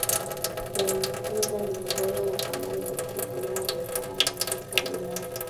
Kuongeza mnyororo wa thamani katika kilimo biashara na sekta binafsi